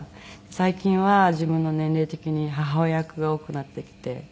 最近は自分の年齢的に母親役が多くなってきて。